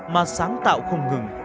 mà sáng tạo không ngừng